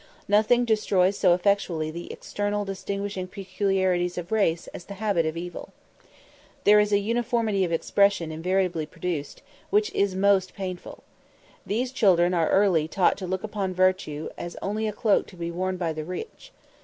Nothing destroys so effectually the external distinguishing peculiarities of race as the habit of evil. There is a uniformity of expression invariably produced, which is most painful. These children are early taught to look upon virtue only as a cloak to be worn by the rich.